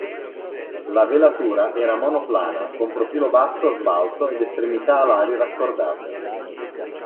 La velatura era monoplana, con profilo basso a sbalzo ed estremità alari raccordate.